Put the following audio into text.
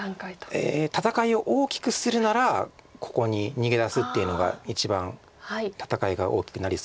戦いを大きくするならここに逃げ出すっていうのが一番戦いが大きくなりそうですよね。